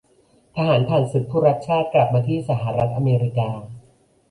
ทหารผ่านศึกผู้รักชาติกลับมาที่สหรัฐอเมริกา